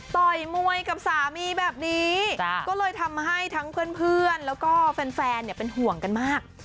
ต่อยมวยกับสามีแบบนี้ก็เลยทำให้ทั้งเพื่อนแล้วก็แฟนเป็นห่วงกันมาก